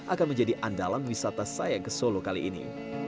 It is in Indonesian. akan menjadi andalan wisata saya ke solo kali ini